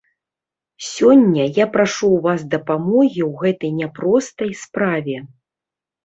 Сёння я прашу ў вас дапамогі ў гэтай няпростай справе.